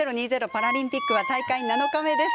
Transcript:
パラリンピックは大会７日目です。